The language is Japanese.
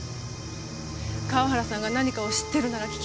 河原さんが何かを知ってるなら聞きたい。